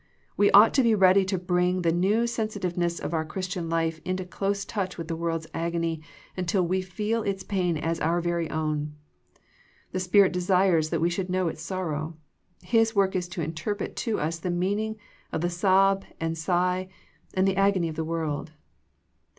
We ought to be ready to bring the new sensi tiveness of our Christian life into close touch with the world's agony until we feel its pain as our very own. The Spirit desires that we should know its sorrow. His work is to interpret to us the meaning of the sob and sigh and the agony of the world.